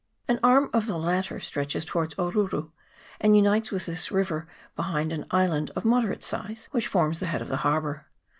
An arm of the latter stretches towards Oruru, and unites with this river behind an island of mo derate size which forms the head of the harbour.